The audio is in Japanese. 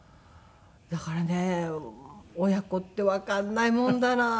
だからね親子ってわからないものだなと思って。